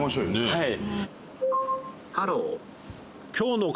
はい。